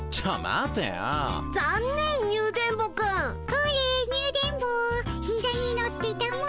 これニュ電ボひざに乗ってたも。